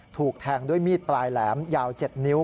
ถูกแทงด้วยมีดปลายแหลมยาว๗นิ้ว